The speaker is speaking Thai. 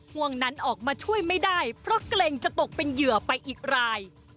ห่วงนั้นออกมาช่วยไม่ได้เพราะเกรงจะตกเป็นเหยื่อไปอีกราย